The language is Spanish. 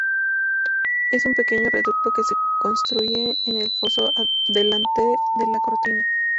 Es un pequeño reducto que se construye en el foso delante de la cortina.